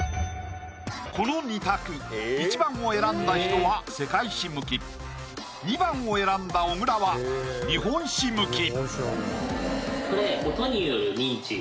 この２択①番を選んだ人は世界史向き②番を選んだ小倉は日本史向き